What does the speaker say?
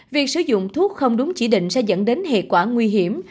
việc sử dụng thuốc không đúng chỉ định sẽ dẫn đến hệ quả nguy hiểm